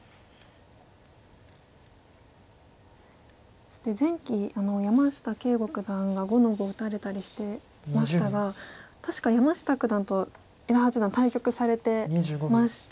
そして前期山下敬吾九段が５の五打たれたりしてましたが確か山下九段と伊田八段対局されてまして。